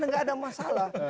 tidak ada masalah